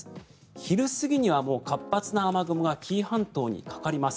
昼過ぎには活発な雨雲が紀伊半島にかかります。